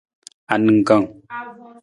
Aningkang.